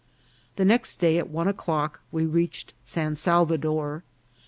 The next day at one o'clock we reached San Salva dor.